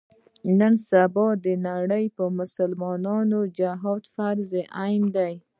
نن سبا د نړۍ په مسلمانانو جهاد فرض عین دی.